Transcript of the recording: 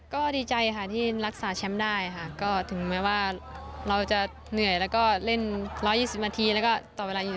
ก็ดีใจค่ะที่รักษาแชมป์ได้ถึงแม้ว่าเราจะเหนื่อยแล้วก็เล่น๑๒๐นาทีต่อเวลา๒๖นาที